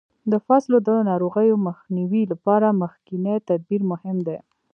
د فصلو د ناروغیو مخنیوي لپاره مخکینی تدبیر مهم دی.